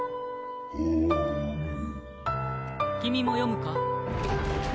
本君も読むか？